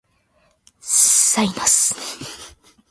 サイナス